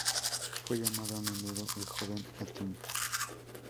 Fue llamado a menudo "el joven Atum".